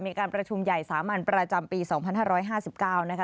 มีการประชุมใหญ่สามัญประจำปี๒๕๕๙นะคะ